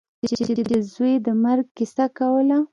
هغه به چې د زوى د مرګ کيسه کوله.